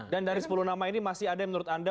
dan dari sepuluh nama ini masih ada yang menurut anda